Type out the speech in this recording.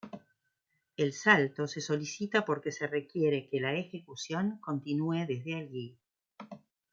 El salto se solicita porque se requiere que la ejecución continúe desde allí.